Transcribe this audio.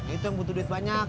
itu yang butuh duit banyak